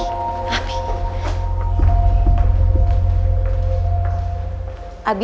kalau mama gak akan mencari